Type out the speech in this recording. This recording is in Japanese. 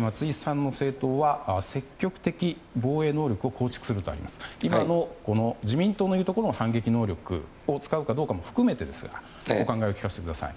松井さんの政党は積極的防衛能力を構築するとありますが自民党のいうところの反撃能力を使うかどうかも含めてですがお考えを聞かせてください。